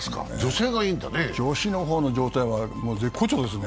女子の方の状態は絶好調ですね。